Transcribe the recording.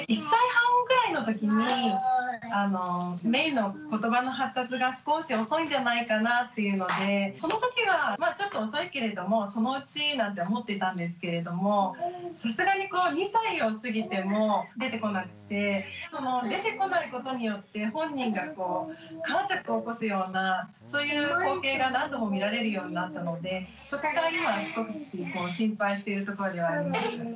１歳半ぐらいの時にめいのことばの発達が少し遅いんじゃないかなっていうのでその時はちょっと遅いけれどもそのうちなんて思っていたんですけれどもさすがに２歳を過ぎても出てこなくてその出てこないことによって本人がかんしゃくを起こすようなそういう光景が何度も見られるようになったのでそこが今心配してるところではあります。